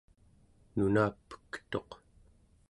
nuna pektuq